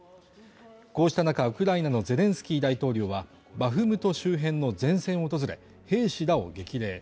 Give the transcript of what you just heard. こうした中ウクライナのゼレンスキー大統領はバフムト周辺の前線を訪れ、兵士らを激励。